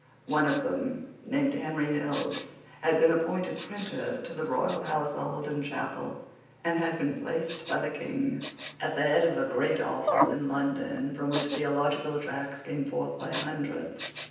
One of them, named Henry Hills, had been appointed printer to the royal household and chapel, and had been placed by the King at the head of a great office in London from which theological tracts came forth by hundreds.